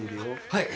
はい。